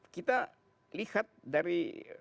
kita lihat dari